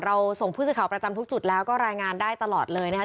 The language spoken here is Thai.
ส่งผู้สื่อข่าวประจำทุกจุดแล้วก็รายงานได้ตลอดเลยนะครับ